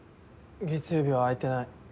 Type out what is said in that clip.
月曜日は空いてない。